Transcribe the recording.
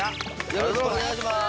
よろしくお願いします。